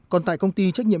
còn tại công ty trách nhiệm